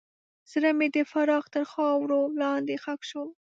زړه مې د فراق تر خاورو لاندې ښخ شو.